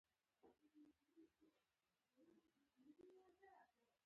د هر یوه خبره په همدغه نښه پیلیږي.